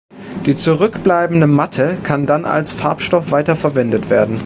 Die zurückbleibende „Matte“ kann dann als Farbstoff weiterverwendet werden.